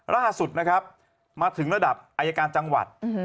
ล่าสุดนะครับมาถึงระดับอายการจังหวัด